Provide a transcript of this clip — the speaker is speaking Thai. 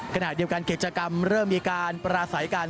ขณะเดียวกันกิจกรรมเริ่มมีการปราศัยกัน